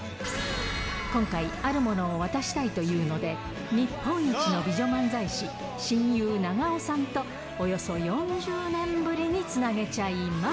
今回、あるものを渡したいというので、日本一の美女漫才師、親友、長尾さんとおよそ４０年ぶりにつなげちゃいます。